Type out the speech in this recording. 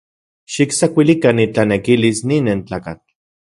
Xiktsakuilikan itanekilis nin nentlakatl.